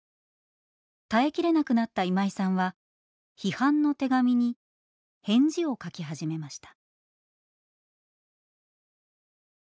耐えきれなくなった今井さんは批判の手紙に返事を書き始めました。